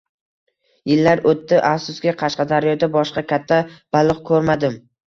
Yillar o’tdi, afsuski Qashqadaryoda boshqa katta baliq ko’rmadim